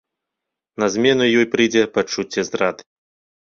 На змену ёй прыйдзе пачуцце здрады.